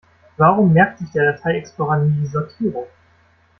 Warum merkt sich der Datei-Explorer nie die Sortierung?